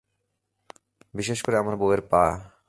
বিশেষ করে, আমার বউয়ের পা।